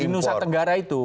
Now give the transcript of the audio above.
di nusa tenggara itu